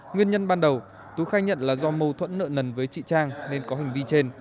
nguyên nhân ban đầu tú khai nhận là do mâu thuẫn nợ nần với chị trang nên có hành vi trên